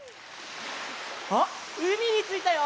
あっうみについたよ！